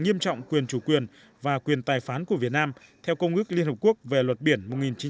nghiêm trọng quyền chủ quyền và quyền tài phán của việt nam theo công ước liên hợp quốc về luật biển